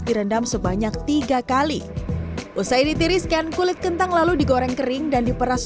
direndam sebanyak tiga kali usai ditiriskan kulit kentang lalu digoreng kering dan diperas